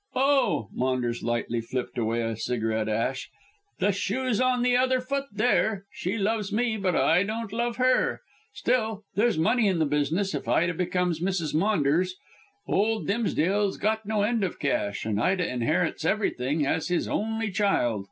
"Oh!" Maunders lightly flipped away a cigarette ash. "The shoe's on the other foot there. She loves me, but I don't love her. Still, there's money in the business if Ida becomes Mrs. Maunders. Old Dimsdale's got no end of cash, and Ida inherits everything as his only child.